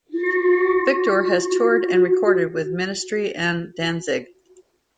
Victor has toured and recorded with Ministry, and Danzig.